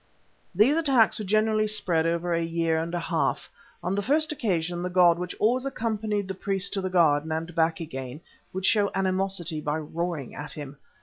These attacks were generally spread over a year and a half. On the first occasion the god which always accompanied the priest to the garden and back again, would show animosity by roaring at him.